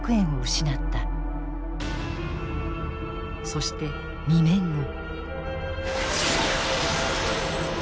そして２年後。